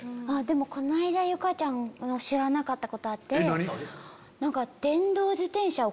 この間ゆかちゃんの知らなかったことあって。